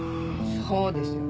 そうですよ。